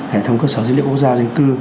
hệ thống cơ sở dữ liệu quốc gia dân cư